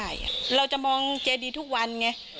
๒อาทิตย์ได้เราจะมองเชดีทุกวันไง